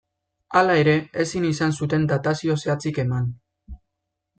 Hala ere, ezin izan zuten datazio zehatzik eman.